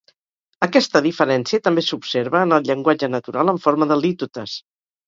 Aquesta diferència també s'observa en el llenguatge natural en forma de lítotes.